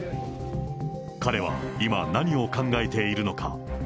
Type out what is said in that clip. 彼は今、何を考えているのか。